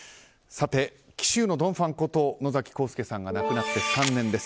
紀州のドン・ファンこと野崎幸助さんが亡くなって３年です。